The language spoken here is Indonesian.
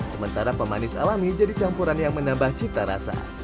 sementara pemanis alami jadi campuran yang menambah cita rasa